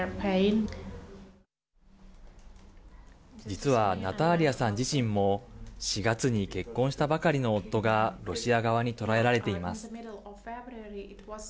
実は、ナターリアさん自身も４月に結婚したばかりの夫がロシア側に捕らえられています。